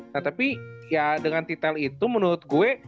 nah tapi ya dengan titel itu menurut gue